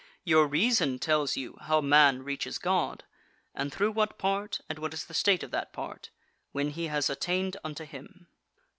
Your reason tells you how man reaches God, and through what part, and what is the state of that part, when he has attained unto him.